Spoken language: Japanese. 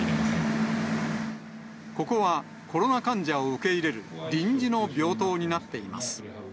ここは、コロナ患者を受け入れる臨時の病棟になっています。